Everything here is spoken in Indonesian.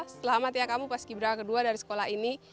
selamat ya kamu paskibrah kedua dari sekolah ini